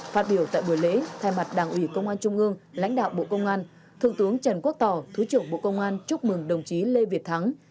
phát biểu tại buổi lễ thay mặt đảng ủy công an trung ương lãnh đạo bộ công an thượng tướng trần quốc tỏ thứ trưởng bộ công an chúc mừng đồng chí lê việt thắng